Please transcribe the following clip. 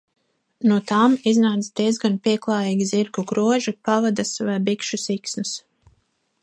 No tām iznāca diezgan pieklājīgi zirgu groži, pavadas vai bikšu siksnas.